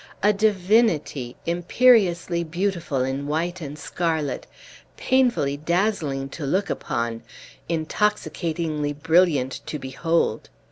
A divinity! imperiously beautiful in white and scarlet, painfully dazzling to look upon, intoxicatingly brilliant to behold.